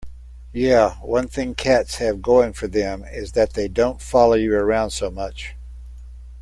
Yeah, one thing cats have going for them is that they don't follow you around so much.